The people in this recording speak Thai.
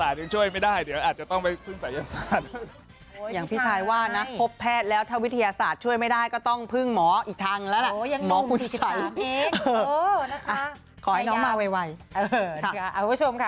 เริ่มคิดไปทั้งนั้นแล้วเหมือนกันว่า